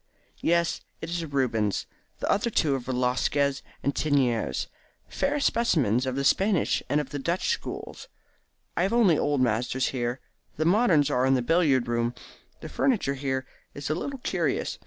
"Yes, it is a Rubens. The other two are a Velasquez and a Teniers, fair specimens of the Spanish and of the Dutch schools. I have only old masters here. The moderns are in the billiard room. The furniture here is a little curious.